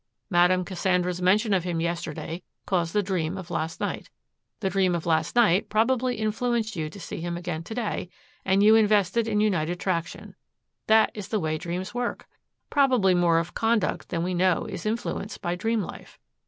Madame Cassandra's mention of him yesterday caused the dream of last night. The dream of last night probably influenced you to see him again to day, and you invested in United Traction. That is the way dreams work. Probably more of conduct than we know is influenced by dream life.